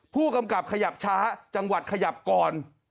ผู้กำกับขยับช้าจังหวัดขยับก่อน